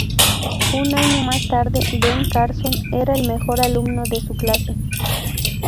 Un año más tarde, Ben Carson era el mejor alumno de su clase.